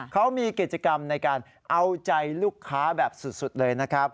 เขามีกิจกรรมในการเอาใจลูกค้าแบบสุดเลยนะครับ